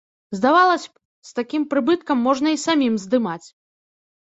Здавалася б, з такім прыбыткам можна і самім здымаць.